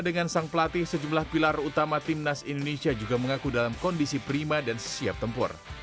selain pelatih sejumlah pilar utama tim nas indonesia juga mengaku dalam kondisi prima dan siap tempur